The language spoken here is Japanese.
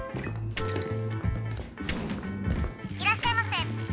いらっしゃいませ。